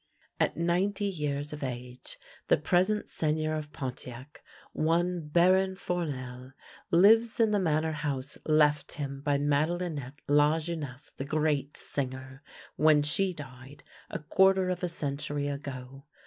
At ninety years of age, the present Seigneur of Pon tiac, one Baron Fournel, lives in the Manor House left him by Madelinette Lajeunesse the great singer, when she died, a quarter of a century ago.